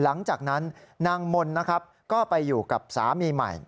หลังจากนั้นนางมนต์นะครับก็ไปอยู่กับสามีใหม่